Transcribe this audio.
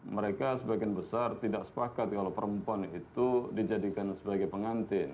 mereka sebagian besar tidak sepakat kalau perempuan itu dijadikan sebagai pengantin